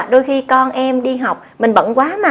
đôi khi con em đi học mình vẫn quá mà